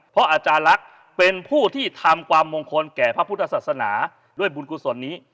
เพราะอาจารย์ลักษณ์เป็นผู้ที่ทำความมงคลแก่พระพุทธศาสนาด้วยบุญกุศลนี้